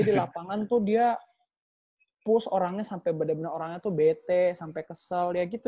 dan tuh dia push orangnya sampai bener bener orangnya tuh bete sampai kesel ya gitu